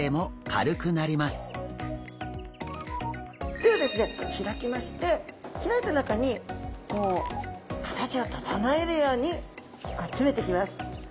ではですね開きまして開いた中にこう形を整えるように詰めていきます。